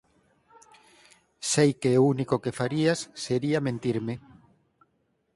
Sei que o único que farías sería mentirme.